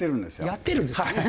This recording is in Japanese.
やってるんですか！